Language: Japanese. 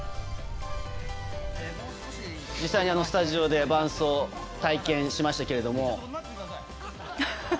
実際、スタジオで伴走を体験しましたけれども。